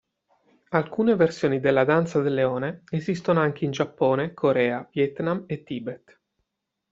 Alcune versioni della danza del leone esistono anche in Giappone, Corea, Vietnam e Tibet.